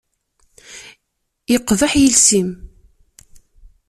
Yeqbeḥ yiles-im.